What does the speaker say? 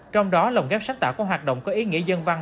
trong đó lồng ghép sát tạo các hoạt động có ý nghĩa dân văn